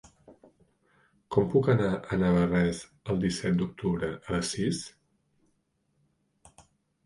Com puc anar a Navarrés el disset d'octubre a les sis?